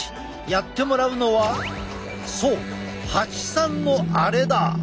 やってもらうのはそうハチさんのあれだ！